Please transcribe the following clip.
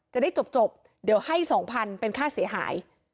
จะได้จบเดี๋ยวให้๒๐๐เป็นค่าเสียหาย